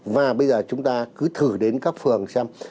và bây giờ chúng ta cứ thử đến các phường xem